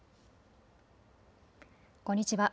こんにちは。